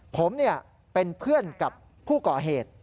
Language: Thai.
ผมเป็นเพื่อนกับผู้ก่อเหตุ